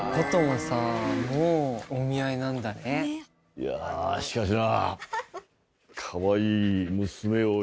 いやしかしな。